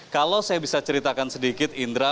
kalau saya bisa ceritakan sedikit indra